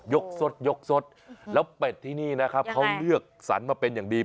สดยกสดแล้วเป็ดที่นี่นะครับเขาเลือกสรรมาเป็นอย่างดี